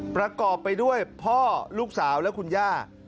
ประกอบไปด้วยพ่อลูกสาวและคุณย่า